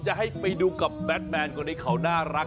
จะให้ไปดูกับแบทแมนคนนี้เขาน่ารัก